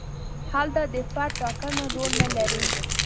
هلته د فرد ټاکنه رول نه لري.